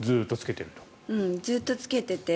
ずっとつけていて。